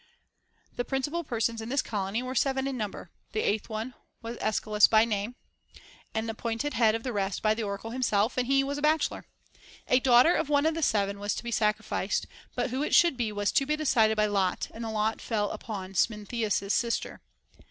The principal persons in this colony were seven in number ; the eighth was one Echelaus by name, and appointed head of the rest by the oracle himself; and he was a bachelor. A daughter of one of these seven was to be sacrificed, but who it should be was to be decided by lot, and the lot fell upon Smintheus's sister.